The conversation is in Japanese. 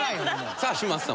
さあ嶋佐さん